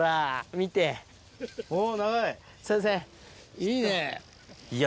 いいね！